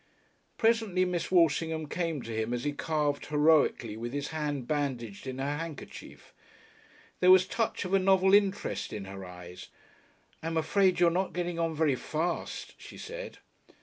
Presently Miss Walshingham came to him as he carved heroically with his hand bandaged in her handkerchief. There was a touch of a novel interest in her eyes. "I'm afraid you're not getting on very fast," she said.